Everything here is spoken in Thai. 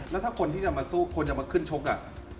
แล้วถ้าคนที่จะมาสู้คนจะมาขึ้นชก